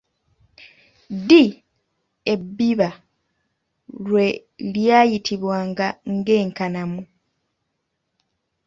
Ddi ebbiba lwe lyayitibwanga ng’enkanamu?